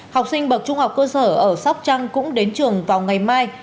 học sinh bậc trung học cơ sở ở sóc trăng cũng đến trường vào ngày mai